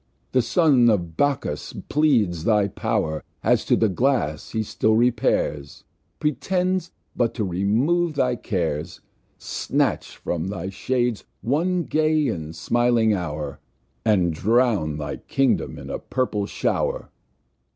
The Son of Bacchus pleads thy Pow'r, As to the Glass he still repairs, Pretends but to remove thy Cares, Snatch from thy Shades one gay, and smiling Hour, And drown thy Kingdom in a purple Show'r.